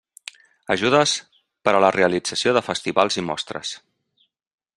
Ajudes per a la realització de festivals i mostres.